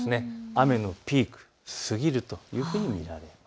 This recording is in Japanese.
雨のピーク、過ぎるというふうに見られます。